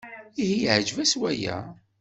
Ihi yeɛjeb-ak waya?